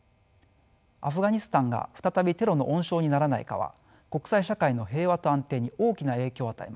アフガニスタンが再びテロの温床にならないかは国際社会の平和と安定に大きな影響を与えます。